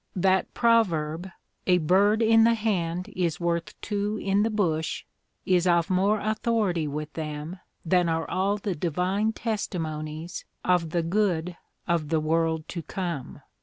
That proverb, A Bird in the Hand is worth two in the Bush, is of more authority with them than are all the Divine testimonies of the good of the world to come.